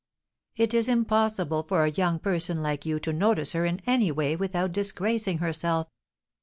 It is impossible for a young person like you to notice her in any way without disgracing herself."